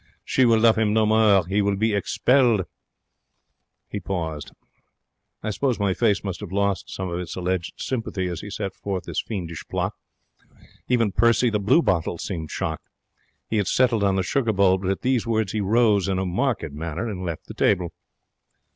She will love him no more. He will be expelled. He paused. I suppose my face must have lost some of its alleged sympathy as he set forth this fiendish plot. Even Percy the bluebottle seemed shocked. He had settled on the sugar bowl, but at these words he rose in a marked manner and left the table.